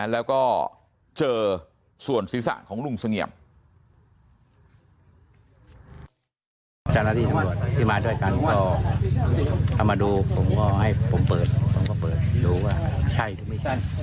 แล้วก็เจอส่วนศิษฐ์ของลุงสงเหยียม